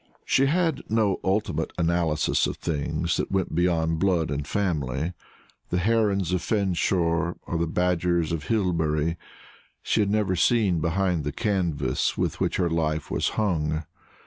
She had no ultimate analysis of things that went beyond blood and family the Herons of Fenshore or the Badgers of Hillbury. She had never seen behind the canvas with which her life was hung.